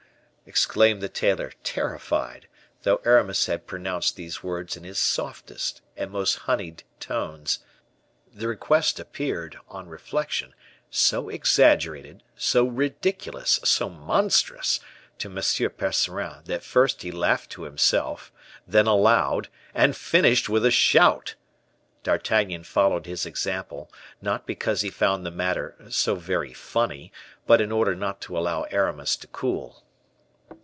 exclaimed the tailor, terrified, though Aramis had pronounced these words in his softest and most honeyed tones. The request appeared, on reflection, so exaggerated, so ridiculous, so monstrous to M. Percerin that first he laughed to himself, then aloud, and finished with a shout. D'Artagnan followed his example, not because he found the matter so "very funny," but in order not to allow Aramis to cool.